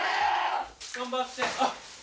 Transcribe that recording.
頑張って！